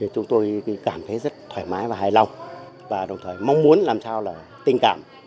chúng tôi cảm thấy rất thoải mái và hài lòng và đồng thời mong muốn làm sao là tình cảm